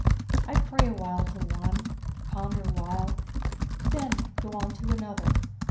"I'd pray awhile to one, ponder awhile, then go on to another.